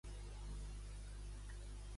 Cadme li va ensenyar quelcom a Linos?